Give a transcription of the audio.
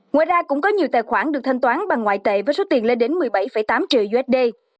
ngoài ra cũng có nhiều tài khoản được thanh toán bằng ngoại tệ với số tiền lên đến một mươi bảy tám triệu usd